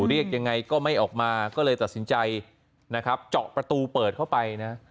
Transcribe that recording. เรียกยังไงก็ไม่ออกมาก็เลยตัดสินใจนะครับเจาะประตูเปิดเข้าไปนะ